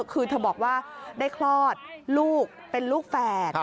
คือเธอบอกว่าได้คลอดลูกเป็นลูกแฝด